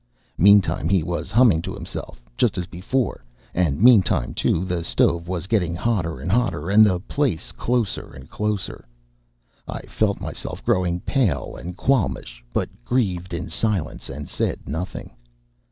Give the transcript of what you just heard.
Meantime he was humming to himself just as before; and meantime, too, the stove was getting hotter and hotter, and the place closer and closer. I felt myself growing pale and qualmish, but grieved in silence and said nothing.